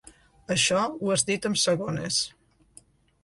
Això ho has dit amb segones.